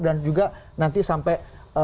dan juga nanti sampai